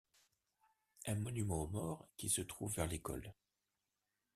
Un monument aux morts qui se trouve vers l'école.